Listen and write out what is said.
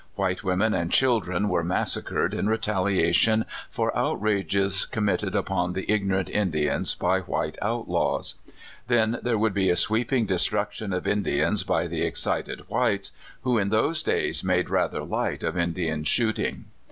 White women and children were massacred in retaliation for outrages committed upon the ignorant Indians by white outlaws. Then there would be a sweep ing destruction of Indians by the excited whites, who in those days made rather light of Indian shooting.